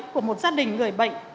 của một gia đình người bệnh